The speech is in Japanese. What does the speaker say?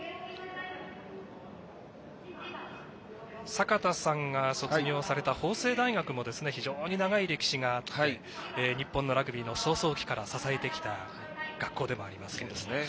坂田さんが卒業された法政大学も非常に長い歴史があって日本のラグビーの草創期から支えてきた学校でもありますが。